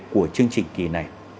của chương trình kỳ này